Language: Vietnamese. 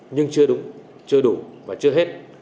nhưng chưa đủ và chưa hết